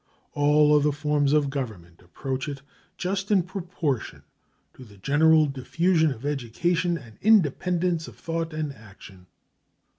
All other forms of government approach it just in proportion to the general diffusion of education and independence of thought and action.